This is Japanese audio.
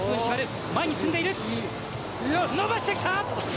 伸ばしてきた！